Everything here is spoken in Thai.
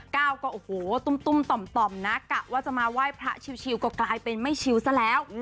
ก้าวก็โอ้โหตุ้มต่อมนะกะว่าจะมาไหว้พระชิลก็กลายเป็นไม่ชิวซะแล้ว